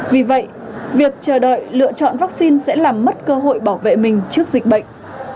vì vậy việc chờ đợi lựa chọn vaccine sẽ làm mất cơ hội bảo vệ mình trước dịch bệnh